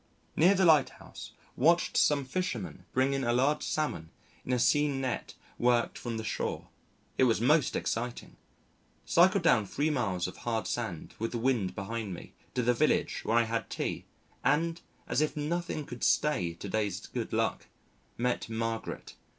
Near the Lighthouse watched some fishermen bring in a large Salmon in a seine net worked from the shore. It was most exciting. Cycled down three miles of hard sand with the wind behind me to the village where I had tea and as if nothing could stay to day's good luck met Margaret